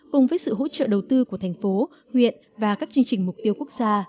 cùng với sự hỗ trợ đầu tư của thành phố huyện và các chương trình mục tiêu quốc gia